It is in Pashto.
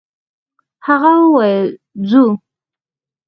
هغه وويل: «ځو!»